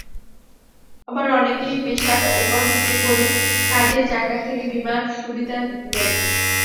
আবার অনেকেরই পেশার ওপর ভিত্তি করে কাজের জায়গা থেকে বিমা সুবিধা নেই।